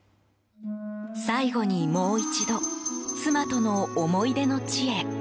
最後にもう一度妻との思い出の地へ。